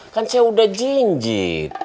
kan saya udah jinjit